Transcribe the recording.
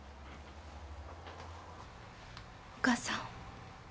お母さん。